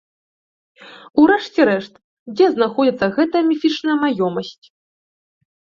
У рэшце рэшт, дзе знаходзіцца гэтая міфічная маёмасць?